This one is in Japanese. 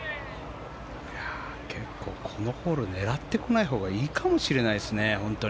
結構、このホール狙ってこないほうがいいかもしれないですね。